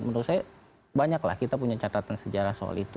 menurut saya banyaklah kita punya catatan sejarah soal itu